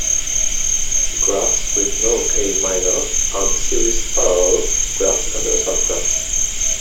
The graphs with no "K" minor are the series-parallel graphs and their subgraphs.